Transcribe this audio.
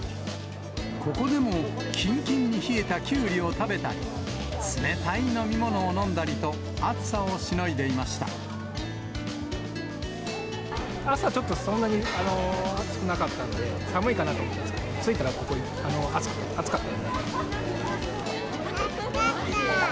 ここでもきんきんに冷えたきゅうりを食べたり、冷たい飲み物を飲んだりと、暑さをしのいでい朝ちょっとそんなに暑くなかったんで、寒いかなと思ったんですけど、暑かったー。